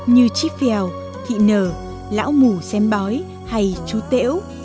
như chi phèo thị nở lão mù xem bói hay chú tễu